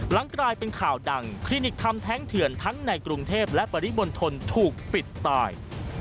หลังกลายเป็นข่าวดังคลินิกทำแท้งเถื่อนทั้งในกรุงเทพและปริมณฑลถูกปิดตาย